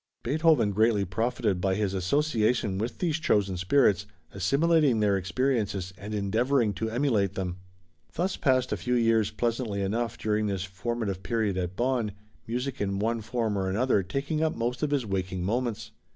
Beethoven greatly profited by his association with these chosen spirits, assimilating their experiences and endeavoring to emulate them. Thus passed a few years pleasantly enough during this formative period at Bonn, music in one form or another taking up most of his waking moments.